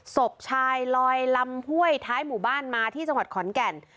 ศพชายลอยลำห้วยท้ายหมู่บ้านมาที่จังหวัดขอนแก่น